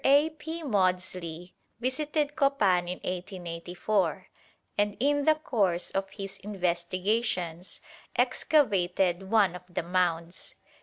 A. P. Maudslay visited Copan in 1884, and in the course of his investigations excavated one of the mounds.